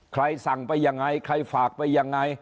ใครสั่งไปยังไงใครฝากไปยังไง